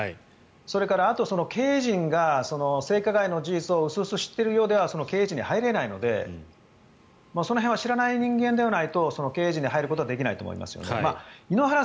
それから、あと経営陣が性加害の事実を薄々知っているようでは経営陣に入れないのでその辺を知らない人間でないと経営陣に入ることはできないと思います。